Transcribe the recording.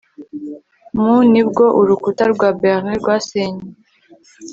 Mu ni bwo Urukuta rwa Berlin rwasenywe